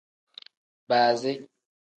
Baazi.